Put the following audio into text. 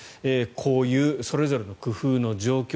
こういうそれぞれの工夫の状況